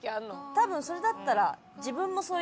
多分それだったら。